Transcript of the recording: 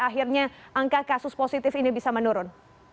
akhirnya angka kasus positif ini bisa menurun